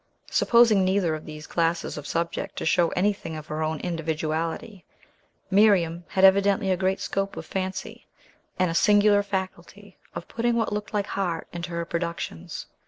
Supposing neither of these classes of subject to show anything of her own individuality, Miriam had evidently a great scope of fancy, and a singular faculty of putting what looked like heart into her productions.